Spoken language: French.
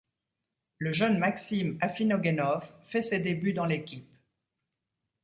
Le jeune Maksim Afinoguenov fait ses débuts dans l'équipe.